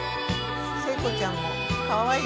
聖子ちゃんもかわいいね。